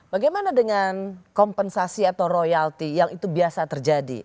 bagaimana dengan kompensasi atau royalti yang itu biasa terjadi